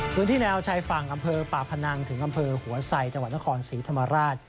พื้นที่แนวชายฝั่งอำเภอป่าพนังถึงอำเภอหัวไสจังหวัดนครศรีธรรมราช